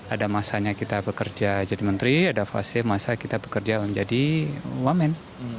ada masanya kita bekerja jadi menteri ada fase masa kita bekerja menjadi wamen